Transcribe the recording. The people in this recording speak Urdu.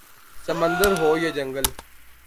سمندر ہو یا جنگل